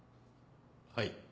はい。